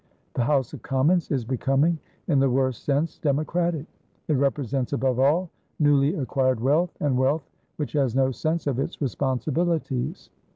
The House of Commons is becoming in the worst sense democratic; it represents, above all, newly acquired wealth, and wealth which has no sense of its responsibilities.